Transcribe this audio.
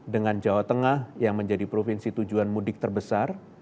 dengan jawa tengah yang menjadi provinsi tujuan mudik terbesar